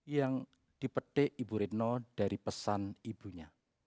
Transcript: yang dipetik ibu retno dari pesan ibunya